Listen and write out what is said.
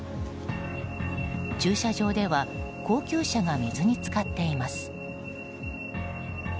駐車場では高級車が水に浸かっています。